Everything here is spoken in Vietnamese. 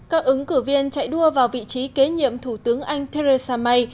các ứng cử viên chạy đua vào vị trí kế nhiệm thủ tướng anh theresa may